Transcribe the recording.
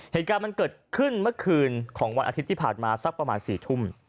เหตุการณ์มันเกิดขึ้นเมื่อคืนของวันอาทิตย์ที่ผ่านมาสักประมาณ๔ทุ่ม